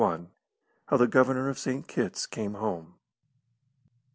I HOW THE GOVERNOR OF SAINT KITT'S CAME HOME.